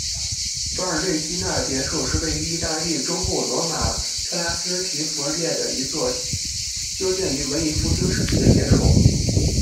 法尔内西纳别墅是位于意大利中部罗马特拉斯提弗列的一座修建于文艺复兴时期的别墅。